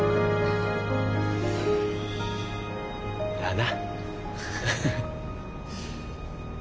だな。